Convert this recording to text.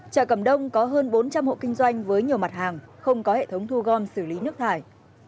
chợ cầm đông có hơn bốn trăm linh hộ kinh doanh với nhiều mặt hàng không có hệ thống thu gom xử lý nước thải